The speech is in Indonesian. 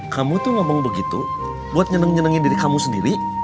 kamu tuh ngomong begitu buat nyeneng nyenengin diri kamu sendiri